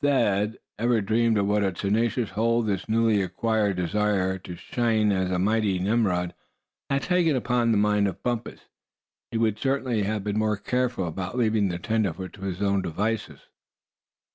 Had Thad ever dreamed of what a tenacious hold this newly acquired desire to shine as a mighty Nimrod, had taken upon the mind of Bumpus, he would certainly have been more careful about leaving the tenderfoot to his own devices.